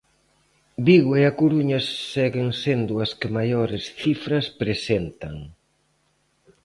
Vigo e A Coruña seguen sendo as que maiores cifras presentan.